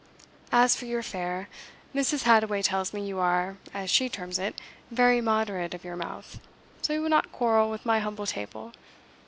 As for your fare, Mrs. Hadoway tells me you are, as she terms it, very moderate of your mouth, so you will not quarrel with my humble table.